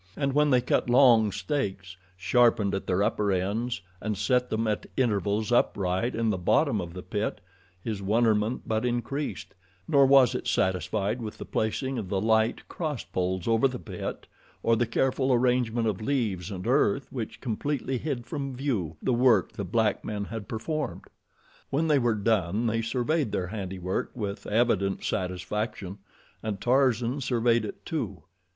And when they cut long stakes, sharpened at their upper ends, and set them at intervals upright in the bottom of the pit, his wonderment but increased, nor was it satisfied with the placing of the light cross poles over the pit, or the careful arrangement of leaves and earth which completely hid from view the work the black men had performed. When they were done they surveyed their handiwork with evident satisfaction, and Tarzan surveyed it, too.